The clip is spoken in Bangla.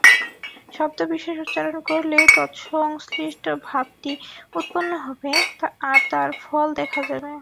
শব্দবিশেষ উচ্চারণ করলেই তৎসংশ্লিষ্ট ভাবটি উৎপন্ন হবে, আর তার ফল দেখা যাবে।